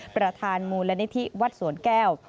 ประธานมูลนิธิวัดสวนแก้ว